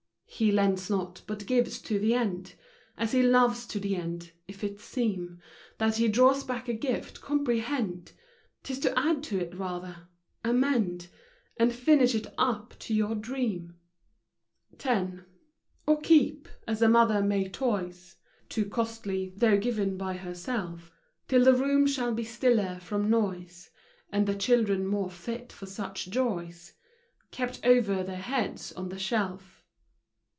He lends not; but gives to the end, As He loves to the end. If it seem That He draws back a gift, comprehend 'T is to add to it rather, — amend, And finish it up to your dream, 40 FROM QUEENS' GARDENS. x. Or keep, — as a mother may toys Too costly, though given by herself, Till the room shall be stiller from noise, And the children more fit for such joys, Kept over their heads on the shelf.